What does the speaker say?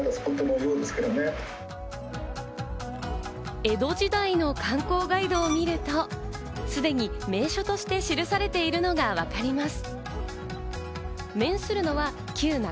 江戸時代の観光ガイドを見ると、すでに名所として記されているのがわかります。